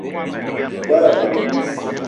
O gbele ebeng e miss :